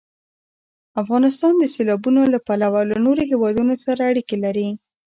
افغانستان د سیلابونه له پلوه له نورو هېوادونو سره اړیکې لري.